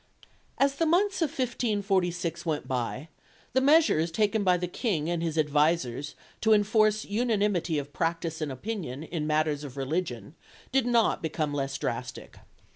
As the months of 1546 went by the measures taken by the King and his advisers to enforce unanimity of practice and opinion in matters of religion did not become less drastic.